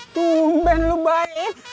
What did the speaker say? tumben lo baik